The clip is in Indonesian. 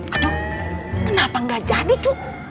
aduh kenapa gak jadi cuk